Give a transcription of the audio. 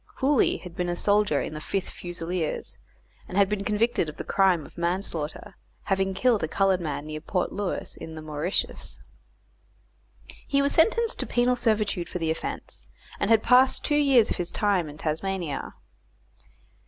Hooley had been a soldier in the Fifth Fusiliers, and had been convicted of the crime of manslaughter, having killed a coloured man near Port Louis, in the Mauritius. He was sentenced to penal servitude for the offence, and had passed two years of his time in Tasmania.